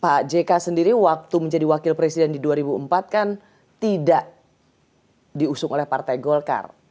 pak jk sendiri waktu menjadi wakil presiden di dua ribu empat kan tidak diusung oleh partai golkar